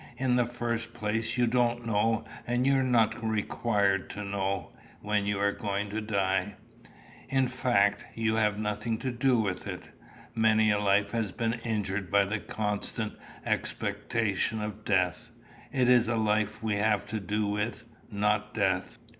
In the first place, you don't know, and you are not required to know, when you are going to die. In fact, you have nothing to do with it. Many a life has been injured by the constant expectation of death. It is life we have to do with, not death.